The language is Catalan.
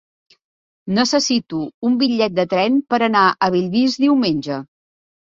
Necessito un bitllet de tren per anar a Bellvís diumenge.